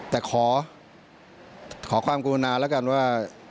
แต่ขอความกรุณาแล้วกันว่า